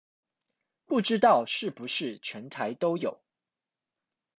不知道是不是全台都有